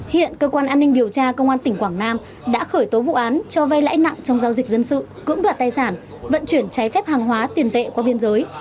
hiện cơ quan an ninh điều tra công an tỉnh quảng nam đã khởi tố vụ án cho vay lãi nặng trong giao dịch dân sự cưỡng đoạt tài sản vận chuyển trái phép hàng hóa tiền tệ qua biên giới